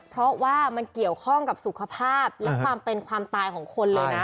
เพราะว่ามันเกี่ยวข้องกับสุขภาพและความเป็นความตายของคนเลยนะ